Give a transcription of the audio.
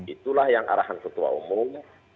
itulah yang arahan ketua umum